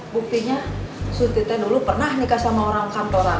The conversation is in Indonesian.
buktinya surti teh dulu pernah nikah sama orang kantoran